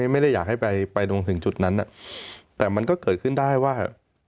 ไม่ได้อยากให้ไปตรงถึงจุดนั้นแต่มันก็เกิดขึ้นได้ว่า